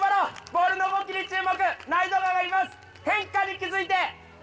ボールの動きに注目。